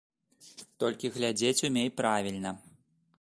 Толькі глядзець умей правільна.